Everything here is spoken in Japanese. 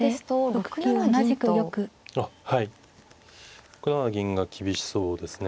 ６七銀が厳しそうですね。